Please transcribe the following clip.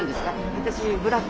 私ブラックで。